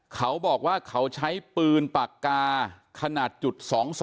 เขาบอกว่าเขาใช้ปืนปากกาขนาดจุด๒๒